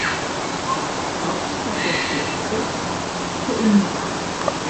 Hauptstadt des Distrikts: Coimbra.